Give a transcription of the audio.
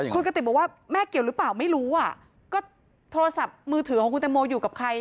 คุณกติกบอกว่าแม่เกี่ยวหรือเปล่าไม่รู้อ่ะก็โทรศัพท์มือถือของคุณตังโมอยู่กับใคร